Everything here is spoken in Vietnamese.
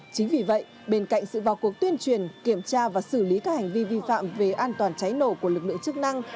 chính vì vậy bên cạnh sự vào cuộc tuyên truyền kiểm tra và xử lý các hành vi vi phạm về an toàn cháy nổ của lực lượng chức năng